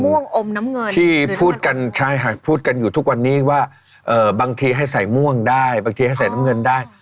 ม่วงอมน้ำเงินที่พูดกันชายหาดพูดกันอยู่ทุกวันนี้ว่าบางทีให้ใส่ม่วงได้บางทีให้ใส่น้ำเงินได้